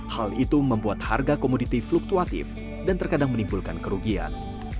hal itu membuat harga komoditi fluktuatif dan terkadang menimbulkan kerugian